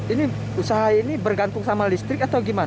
ini usaha ini bergantung sama listrik atau gimana